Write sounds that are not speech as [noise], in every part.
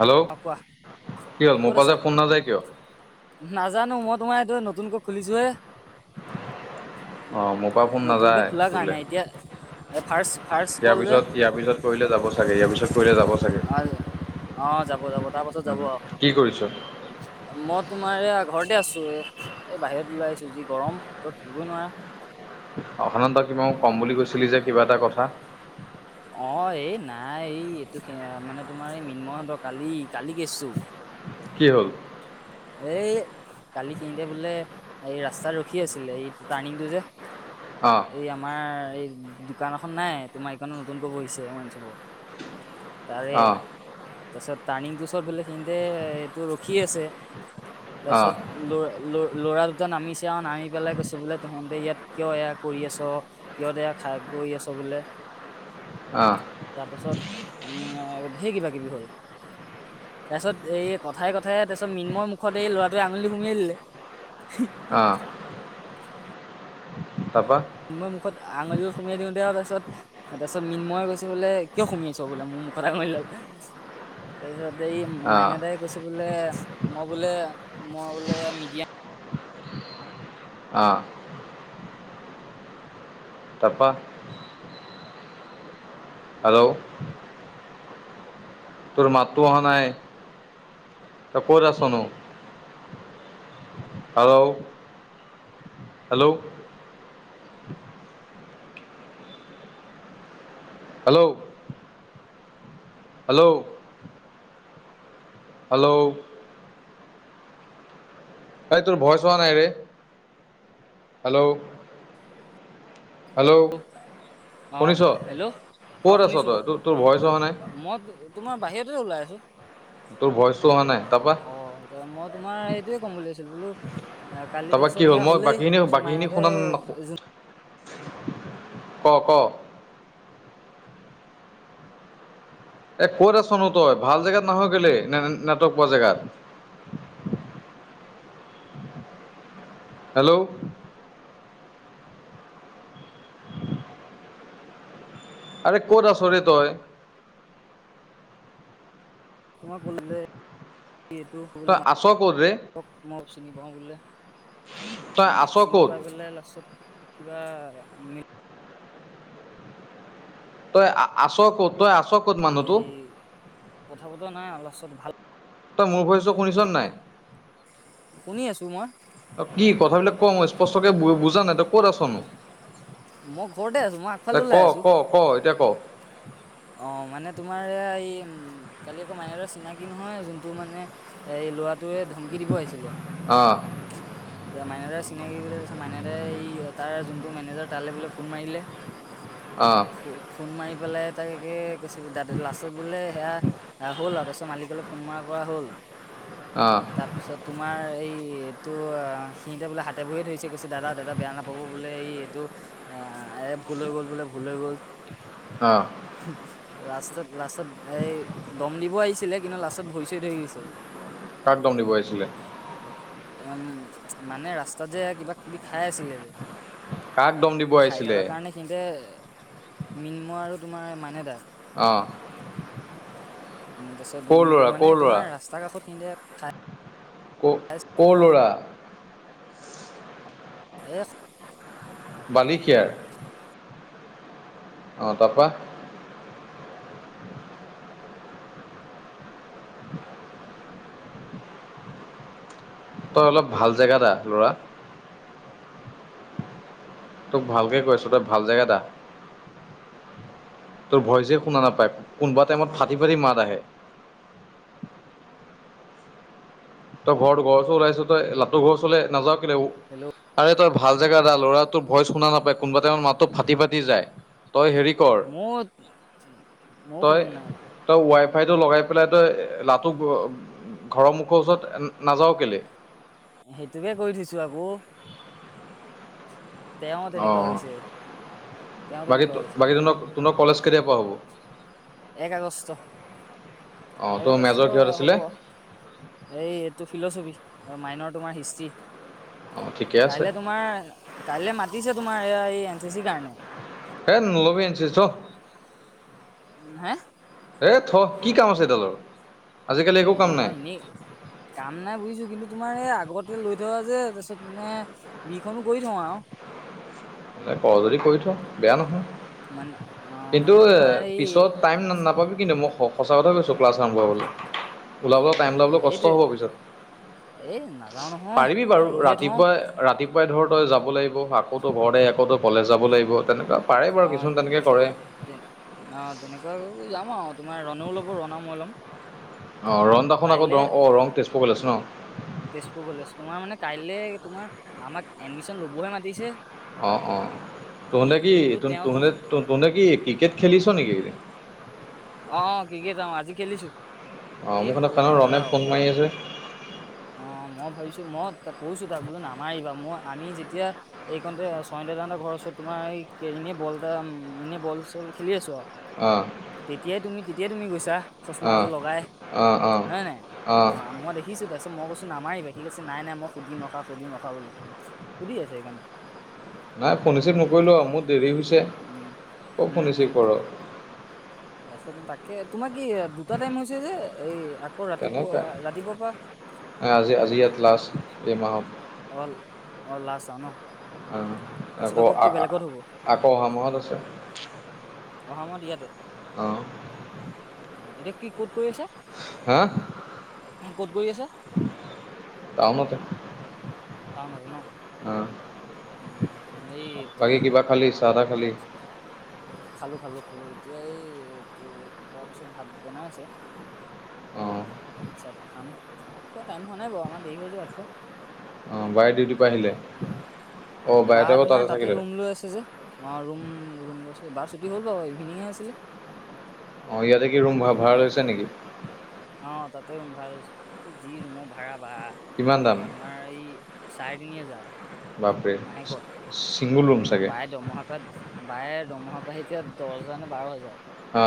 Hello অ' কোৱা কি হ'ল মোৰ ক'ত পৰা যে আছা, ফোন নাযায় কিয় নাজানো মই তোমাৰ নতুনকৈ খুলিছোহে। অ' মোৰ পৰা ফোন নতুনকে নাযায় খোলাৰ তোলে। কাৰণে এতিয়া এই ফাৰ্ষ্ট ফাৰ্ষ্ট ইয়াৰ কল পিছত ইয়াৰ পিছত কৰিলে যাব চাগে ইয়াৰ পিছত। কৰিলে যাব চাগে অ' যাব, যাব তাৰ উম, পাছত কি [inaudible] কৰিছ ঘৰতে আছো এ, এ বাহিৰত ওলাই আহিছো। যি গৰম ভিতৰত থাকিবই নোৱাৰা। অ' সিদিনা তই ক'ম বুলি কৈছিলি যে কিবা এটা কথা। অ' এই নাই এই এইটো সে মানে তোমাৰ এই মীন্ময়হতঁৰ কালি কালিৰ কেচতো। কি হ'ল? এই কালিখিনতে বোলে এই ৰাস্তাত ৰখি আছিলে এই টাৰ্ণিংটো যে অঁ এই আমাৰ এই। দোকান এখন নাই তোমাৰ এইকাৰণে নতুনকৈ বহিছে ওৱাইন শ্বপৰ তাৰে অঁ তাৰপিছত টাৰ্ণিংটো চত বলে, সিহঁতে ৰখি আছে। তাৰপিছত অঁ ল ল ল'ৰা দুটা নামিছে আৰু নামি পেলাই কৈছে বোলে, তোহঁতে ইয়াত কিয় এয়া কৰি আছ, কিয় দেয়া খাই কৰি আছ বোলে অঁ তাৰপাছত ধেই কিবা কিবি হ'ল তাৰ পিছত এই কথাই-কথাই তাৰ পিছত মিন্ময় মোক মুখতে এই ল'ৰাটোৱে আঙুলি সুমুৱাই আহ দিলেহি। অহ। তোমাৰ মুখত আঙুলিডাল সুমিয়াই দিওতে আৰু তাৰপছত মিন্ময়ই কৈছে বোলে কিয় সুমাইছ বোলে মোৰ মুখত আঙুলিডাল তাৰপিছত। এই অঁ মাইনা দাই কৈছে বোলে, মই বোলে, মই বোলে মিডিয়াম অহ। তাৰ পা। হেল্ল'। তোৰ মাততো অহা নাই, তই ক'ত আছনো? Hello, hello hello hello hello এই তোৰ ভয়চ হোৱা নাইৰে। হেল্ল' হেল্ল' অ শুনিছ হেল্ল' অ ক'ত আছ শুনিছো তই অ'। তোৰ তোৰ ভইচ অহা নাই মই তো, তোমাৰ বাহিৰত তে ওলাই আছো। তোৰ ভইচটো অহা নাই তাৰপা অ মই তোমাৰ সেইটোয়ে ক'ম বুলি ভাবিছিলোঁ, বোলো কালি তাৰপা কি তাৰপিছত হ'ল সেয়া মই হ'লেই বাকীখিনি তাৰপিছত বাকীখিনি মাইনা শুনা দাই ক'ক'! এ ক'ত আছনো তই? ভাল জেগাত নাহ কেলে নে, নে নেটৱৰ্ক পোৱা জেগাত? হেল্ল'! আৰে ক'ত আছ ৰে তই? তোমাক কল্লে এটো, কি বোলে তই মা, আছ ক'ত ৰে হক মই চিনি পাওঁ বোলে। তই চিন, আছ চিনি ক'ত পাই পেলাই লাষ্টত কিবা মি- তই আ, আ, আ'ছ কত তই আ'ছ ক- এই, কথা বতৰা নাই আও লাষ্টত ভাল তই মোৰ ভয়চো শুনিছ নে নাই শুনি আছো মই আৰু কি কথাবিলাক ক মই স্পষ্টকে বু, বুজা নাই তই ক'ত আছনো? মই ঘৰতে আছো মই এ আগফালে ক, ওলাই আছো ক, ক এতিয়া ক! অ' মানে তোমাৰ এই উম কালি আকৌ মাইনাদাৰ চিনাকি নহয় যোনটো মানে এই এই ল'ৰাটোৱে ধমকি দিব আহিছিলে। অঁ য়া মাইনাদাৰ চিনাকি বোলি কৈছে মাইনাদাই এই তাৰ যোনটো মেনেজাৰ তালৈ বোলে ফোন মাৰিলে অ ফো, ফোন মাৰি পেলাই তাকে কৈছে- দাদা লাষ্টত বোলে সেয়া হ'ল আৰু তাৰপিছত মালিকলৈ ফোন মাৰা কৰা হ'ল। অ তাৰপিছত তোমাৰ এই ই এইটো অ সিহিতে বোলে হাতে ভৰিয়ে ধৰিছে কৈছে, দাদা দাদা বেয়া নাপাব বোলে ই এইটো এ এই ভুল হৈ গ'ল বোলে, ভুল হৈ গ'ল অ হুম, লাষ্টত, লাষ্টত এই দম দিব আহিছিলে কিন্তু লাষ্টত ভৰি চৰি ধৰি গৈছে। কাকদম দিব আহিছিলে? ম, মানে ৰাস্তাত যে কিবা কিবি খাই আছিলে যে কাক দম দিব খাই আহিছিলে? থকাৰ কাৰণে সিহঁতে মিন্ময় আৰু তোমাৰ মাইনা দাক। অঁহ তাৰপিছত দম দিব, মানে ল'ৰা তোমাৰ ৰাস্তা কাষত খিনিতে খাই- ক কৰ ল'ৰা? এ বালিখিয়াৰ? অহ, তাৰ পৰা? তই অলপ ভাল জেগাত আহ ল'ৰা। তোক ভালকে কৈ আছো তই ভাল জেগাত আহ। তোৰ ভইচে শুনা নাপায় কোনোবা টাইমত ফাটি-ফাটি মাত আহে। তই ঘৰতো, ঘৰৰ ওলাইছো তই লাট্টো ঘৰ ওচৰলে নাযাও- লে, হেল্ল' আৰে তই ভাল জেগাত আহ ল'ৰা তোৰ ভইচ শুনা নাপায়, কোনোবা টাইমত মাতটো ফাটি-ফাটি যায়। তই হেৰি কৰ মোৰ, মোও শুনা নাই। সেইটো লগাই পেলাই তই ঘৰৰ মুখৰ ওচৰত নাযাও কেলে? সেইটোকে কৰি থৈছো আকৌ। তেওঁ তেনেকুৱা অঁ হৈছে তেওঁ বাকী তেনেকুৱা হৈছে। বাকী তোন কলেজ কেতিয়াৰ পৰা হ'ব? এক আগষ্ট। অঁ এক তোৰ আগষ্টৰ মেজৰ পৰা কিহত হ'ব আছিলে এই এইটো ফিল'চফি আৰু মাইনৰ তোমাৰ হিষ্টি অঁ ঠিকে আছে কাই তোমাৰ কাইলে মাতিছে তোমাৰ এযই এন চি চি কাৰণে। এ নলবি এন চি চি থ। হে হে থ কি কাম আছে এইডালৰ? আজিকালি এ একো কাম নাই নহয় এনেই কাম নাই বুজিছোঁ কিন্তু তোমাৰ এই আগতে লৈ থোৱা যে তাৰপিছত মানে বিখনো কৰি থওঁ আৰু। এ ক যদি কৰি থো বেয়া মানে নহয়। অ কিন্তু মানে তোমাৰ এই পিছত টাইম নাপাবি কিন্তু মোক সখ সঁচা কথা কৈছোঁ ক্লাছ আৰম্ভ হলৈ ওলাবলৈ টাইম অ ওাবলৈ কষ্ট সেইটোৱে হ'ব পিছত। এই নাযাও নহয় পাৰিবি ত বাৰু লৈহে থওঁ। ৰাতিপুৱাই ৰাতিপুৱাই ধৰ তই যাব লাগিব আকৌতো ঘৰতে আকৌতো কলেজ যাব লাগিব তেনেকুৱা। পাৰে বাৰু অ কিছুমান এ তেনেকৈ কৰে তে অ তেনেকুৱো যাম আৰু। তোমাৰ ৰণও ল'ব ৰণাও মই ল'ম। অ ৰং দেখোন আকৌ কাইলৈ ৰং অ ৰং তেজপুৰ কৰি আছে তেজপুৰ কলেজ ন। তোমাৰ মানে কাইলৈ তোমাৰ আমাক এডমিশন ল'বহে মাতিছে। অ অ তহতে কি কিন্তু ত তেওঁ তুম তে কি ক্ৰিকেট খেলিছ- নেকি? অ ক্ৰিকেটও আজি খেলিছোঁ। অ মোৰখন ৰণে ফোন মাৰি আছে। অ মই ভাবিছো মই ত কৈছো তাক বোলো নামাৰিবা মই আমি যেতিয়া এইকণতে ছয় দ দান এটা ঘৰৰ ওচৰত তোমাৰ এই এনেই বলটা এনেই বল খেলি আছো আৰু অঁ তেতিয়াই তুমি তেতিয়াই তুমি গৈছা চচমা অঁ এযোৰ লগাই অঁ অঁ হয় নাই অঁ অ মই দেখিছোঁ তা কচোন নামাৰিবা কি কৈছে নাই নাই মই সুধিম ৰখা সুধিম ৰখা বোলে সুধি আছে সেইকাৰণে। নাই ফোন ৰিচিভ উম, নকৰিলোঁ মোৰ দেৰি হৈছে উম। কওক উম, ফোন ৰিচিভ উম, কৰ। তাৰপিছত মই তাক তোমাৰ কি দুটা টাইম হৈছে যে এই আকৌ তেনেকৈ ৰাতিপুৱা ৰাতিপুৱাৰ পৰা আজি ইয়াত লাষ্ট এ মাহত। অল লাছ অ ন। তাৰপিছত আকৌ কি বেলেগত হ'ব আকৌ অহা মাহত আছে। অহা মাহত ইয়াতে। আহ। অ এতিয়া কি কত- ক'ত কৰি গৈ আছা ক'ত কৰি আছা? টাউনতে টাউন আৰু ন। অঁ উম এই এইটো বাকী কিবা খালি চাহ তাহ খালি খালো খালো খালো। এতিয়া এই এইটো খোৱাৰ পিছত ভাত বনাই আছে। অঁ ভাত চাত খাম ভাত খোৱা টাইম হোৱা নাই বাৰু আমাৰ দেৰি হৈ যায় ভাত খোৱা। অ বাই ডিউটী বা আকৌ তোমাৰ তাতে থাকিলে ৰুম লৈ আছে যে অ ৰুম ৰুম লৈছে বা- চুটি হ'ল বাৰু ইভিনিং হে আছিলে। অ ইয়াতে কি ৰুম ভা ভাড়া ইভিনিং লৈছে নেকি। ভাল এই যি ৰুমৰ ভাড়া বা কিমান দাম তোমাৰ এই চাৰে তিনি হেজাৰ। বাপৰে মাহেকত ছিংগলৰুম বায়ে দৰমহাৰ পৰা বায়ে দৰমহাৰ পৰা আহে এতিয়া দহ হোজাৰ নে বাৰ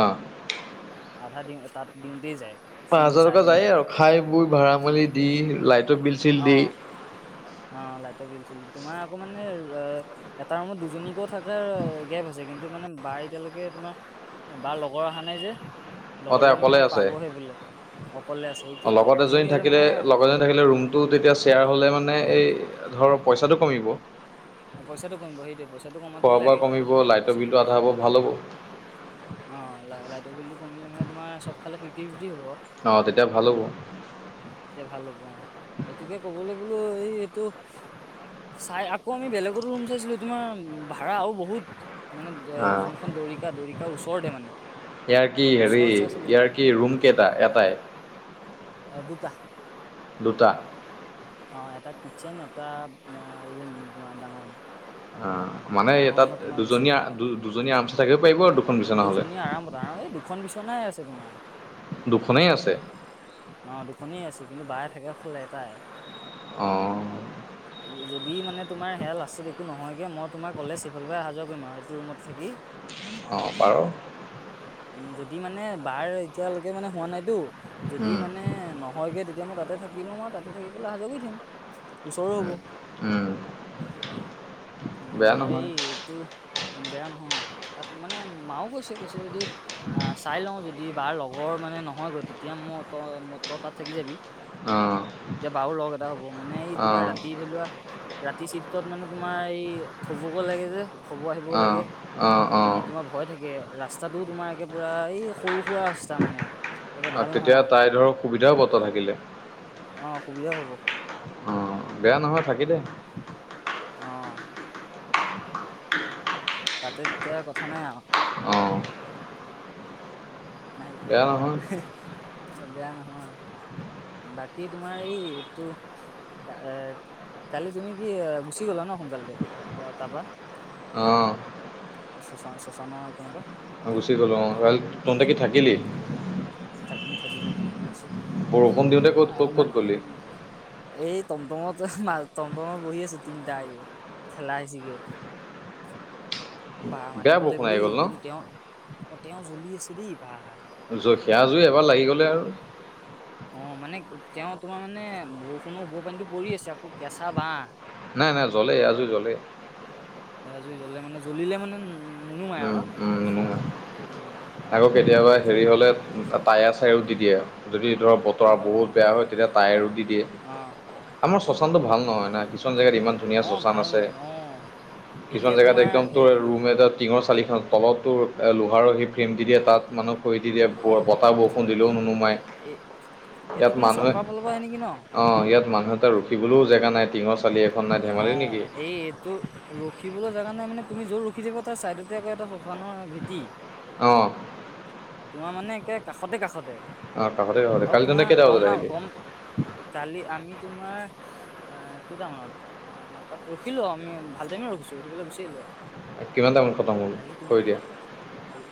অঁ আধা দিওঁ তাত দিওঁতে যায় পাঁচ তিনি হাজাৰ চাৰে টকা তিনি যায়েই হাজাৰ আৰু খাই বৈ ভাড়া মেলি দি লাইটৰ বিল চিল অ দি অ লাইটৰ বিলছিল তোমাৰ অকমান ম এটা ৰুমত দুজনীকো থকাৰ গেপ আছে কিন্তু মানে বাৰ এতিয়ালৈকে তোমাৰ বাৰ লগৰ অহা নাই যে অঁ তাই লগৰজনী অকলে মানে আছে পাবহে বোলে অকলে আছে সেইটোৱেটো লগত দুজনী এজনী হ'লে থাকিলে মানে লগৰজনী থাকিলে ৰুমতটো তেতিয়া শ্বেয়াৰ হ'লে মানে এই ধৰ পইচাটো কমিব আৰু পইচাটো কমিব সেইটোৱে পইচাটো কমাটোৱেই খোৱা বোৱা লাগে কমিব লাইটৰ পইচাটো বিলটো আধা হ'ব ভাল হ'ব অ ল লাইটৰ বিলটো কমিলে মানে তোমাৰ চব ফালে ফিফ্টি ফিফ্টি অঁ তেতিয়া ভাল হ'ব তেতিয়া ভাল হ'ব অ সেইটোকে ক'বলৈ এইটো চাই আকৌ আমি বেলেগতো ৰুম চাইছিলো তোমাৰ ভাড়া আৰু বহুত মানে অঁ যোনখন দৰিকা দৰিকা ওচৰতে মানে ইয়াৰ কি হেৰি ওচৰত চাইছিলো ইয়াৰ কি ৰুম কেইটা এটাই এ দুটা দুটা অ এটা কিটচেন এটা ৰুম তোমাৰ ডাঙৰৰুম অ মানে তাত দুজনীয়া দু দুজনী আৰামচে থাকিব পাৰিব আৰু দুখন বিচনা হ'লে দুজনী আৰামত আৰাম এই দুখন বিচনাই আছে তোমাৰ দুখনেই আছে অ দুখনেই আছে কিন্তু বায়ে থাকে অকল এটাই অঁ দি মানে তোমাৰ সেয়া লাষ্টত একো নহয়গে মই তোমাৰ কলেজ সিফালৰ পৰা অহা যোৱা কৰিম আৰু এইটো ৰুমত থাকি অঁ বাৰু উ যদি মানে বাৰ এতিয়ালৈকে মানে হোৱা নাইতো যদি উম মানে নহয়গে তেতিয়া মই তাতে থাকিলো আ তাতে থাকি পেলে অহা যোৱা কৰি থাকিম ওচৰ হ'ব উম উম বেয়া তোমাৰ এই নহয় এইটো বেয়া নহয় তাত মানে মাও কৈছে কৈছে যদি আহ চাই লওঁ যদি বাাৰ লগৰ মানে নহয়গৈ তেতিয়া মই তই ত তাত থাকি যাবি অঁ তেতিয়া বাাৰ লগ এটা হ'ব মানে এই তোমাৰ অঁ ৰাতি ধৰি লোৱা ৰাতি চিফ্টত মানে তোমাৰ এই থবগৈ লাগে যে থব আহিবও অঁ লাগে অঁ এনেই তোমাৰ ভয় থাকে ৰাস্তাটোও তোমাৰ একে পুৰা এই সৰু সুৰা ৰাস্তা মানে একে ভাল নহয় তেতিয়া আৰু তাই ধৰক সুবিধাও হব তই থাকিলে অ সুবিধা হ'ব অ বেয়া নহয় থাকি দে অ তাতে এতিয়া কথা নাই আৰু অঁ। নাহ বেয়া নহয় বেয়া নহয়। [inaudible] বাকী তোমাৰ এই এইটো এ কালি তুমি কি এ গুচি গ'লা ন সোনকালতে তাৰপা? অঁ। শশান শশানৰ হেকনৰ পৰা? অ গুচি গলো অ। থাকিলি? থাকিম থাকিলোঁ আমি আছোঁ। বৰষুণ দিওঁতে অ ক'ত ক'ত ক'ত মানে উ গ'লি এই টমটমত মা টমটমত বহি আছোঁ তিনিটাই ঠেলাই হেঁচি গে। বাহ বেয়া মানিব লাগিব বৰষুণ আহি দেই গ'ল ন কিন্তু তেওঁ অ', তেওঁ জ্বলি আছে দেই ব জখীয়া জুই এবাৰ লাগি গ'লে আৰু অ', মানে তেওঁ তোমাৰ মানে বৰষুণৰ ওৰ পানীটো পৰি আছে আকৌ কেঁচা বাহ। নাই, নাই জ্বলে আজি জ্বলে। এয়াজুৰি জ্বলে মানে জ্বলিলে মানে উ উম, উম, উম আকৌ কেতিয়াবা সেইটোৱে হেৰি মই হলে তাকেই তাইৰ চ দিয়ে যদি ধৰক অ বতৰ বহুত বেয়া হয় তেতিয়া টায়াৰো দি দিয়ে। অ অ আমাৰ শশ্বানটো ভাল অ নহয় না কিছুমান জেগাত ইমান ধুনীয়া অ শশ্বান ভাল আছে। অ কিছুমান এতিয়া জেগাত তোমাৰ একদম এই তোৰ উম, ৰুম এটাত ছ চালিখন তলতো লোহাৰহি ফ্ৰেম দি দিয়ে তাত মানুহ খৈ দি দিয়ে অ ব' বতাহ বৰষুণ দিলেও নুনুমাই। এই সেইটো ইয়াত তোমাৰ মানুহে চৰকাৰৰ ফালৰ পৰা আহে নেকি ন অ', ইয়াত মানুহ এটা ৰখিবলৈও জেগা নাই টিঙ অ', এই এইটো ৰখিবলৈ কাৰণে মানে তুমি যোৰ ৰখি যাব তাৰ ছাইদতে আকৌ এটা শশানৰ ভেটি। অ'। তোমাৰ মানে কে কাষতে কাষতে। অঁ কাষতে কাষতে আৰু কালি তহঁতে তোমাৰ কেইটা গম, বজাত আহিলি গম কালি আমি তোমাৰ অ', কেইটামানত অ', তাত ৰখিলো আমি ভাল টাইমে ৰখিছো ৰখি পেলাই গুচি আহিলো। কিমান টাইামত কটম হ'ল হয় দিয়া? কালি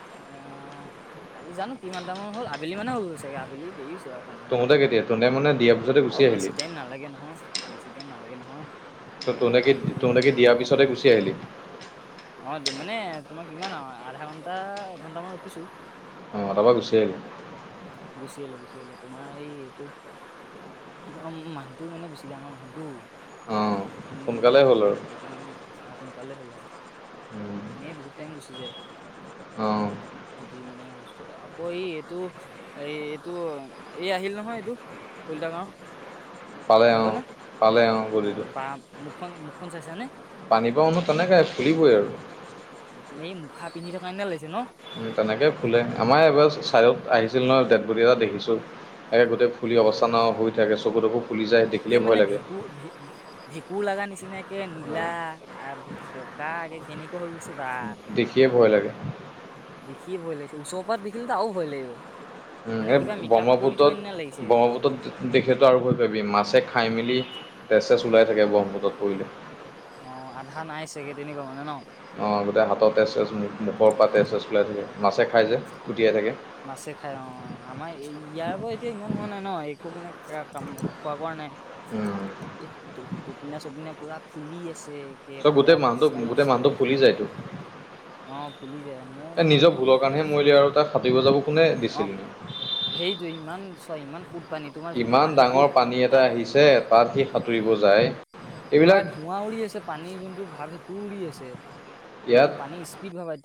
কালি জানো কিমান দামান হ'ল আবেলি মানে হল চাগে আবেলি দেৰি হৈছে অ', তহঁতে কেতিয়া তহঁতে মানে দিয়াৰ পিছতে আৰু গুচি আহিলি বেছি টাইম নালাগে নহয়, বেছি টাইম নালাগে নহয়। ত' তোক তোমাৰ মানুহটো তোনেকি দিয়াৰ পিছতে গুচি আহিলি? অ', মানে তোমাৰ কিমান আৰু আধা ঘণ্টা এঘন্টামান ৰখিছো। অ', তাৰ পৰা গুচি আহিলি? গুচি আহিলোঁ গুচি আহিলোঁ তোমাৰ এই এইটো কি কম মানুহটো মানে বেছি ডাঙৰ নহয়তো অঁ কিনমিন যে সোনকালে হ'ল আৰু সেইটো কাৰণে আৰু সোনকালে হ'ল আৰু। উম, এনেই বহুত টাইম গুচি যায়, অঁ যদি মানে আকৌ এই এইটো, এই এইটো এই আহিল নহয় এইটো। কলিতাৰ গাওঁৰ পালয়ান, পালয়ান বদি টো। বা মুখখন মুখখন চাইচানে? পানী বা মানুহ তেনেকে ফুলিবই আৰু। এই এই মুখা পিন্ধি থকাৰ কাৰণে লাগিছে ন। তেনেকে ফুলে আমাৰ এবাৰ চাইত আহিছিল নহ ডেডবডী এটা দেখিছোঁ। একে গোটেই ফুলি অ অৱস্থান হৈ থাকে চকুত খুব একে মানে ভেঁকুৰ ভেঁকুৰ লগা নিচিনা নিচিনাকে নীলা আৰু বকা আগে কেনেকুৱা হৈ গৈছে। বা দেখিয়ে ভয় লাগে। সি ভয় লাগিছে ওচৰৰ দেখিলেটো আৰু ভয় লাগিব। মানে এই কিবা মেকআপ কৰি থোৱা ব্ৰহ্মপুত্ৰত, নিচিনা লাগিছে ব্ৰহ্মপুত্ৰত দেখেটো আৰু গৈ পাবি মাছে খাই মেলি তেজ সেছ ওলাই থাকে ব্ৰহ্মপুত্ৰত পৰিলে। অ', আধা নাই চাগে তেনেকুৱা মানে ন'। অ', গোটেই হাতৰ তেজ মুখৰ পৰা তেজ সেজ ওলাই থাকে মাছে খাই যে। কুটিয়াই থাকে মাছে খাই অ', আমাৰ ইয়াৰ পৰা এতিয়া ইমান নহোৱা নাই নহয় একো মানে কাম খোৱা কৰা নাই। উম। এই টোপিনা চপিনা পুৰা খুলি আছে। একে তই পুৰা গোটেই মানুহ, মস্ত গোটেই মস্ত মানুহ ফুলি যায়টো। অ', ফুলি যায় মই তোমাৰ মানে দেখি কাৰণেহে মই মৰিলে আৰু তাক সাঁতুৰিব যাব কোনে অ', দিছিলনো সেইটো ইমান ছয় ইমান সুদ পানী তোমাৰ যোনটো ইমান পানী সুদ ডাঙৰ পানী এটা তাত আহিছে তাত সি সাঁতুৰিব যায়। এইবিলাক তোমাৰ ধোঁৱা উৰি আছে পানীৰ সূতটো ভাৱ সেইটোও উৰি আছে। মানে ইয়াত পানীৰ স্পীড ভাবা এয়া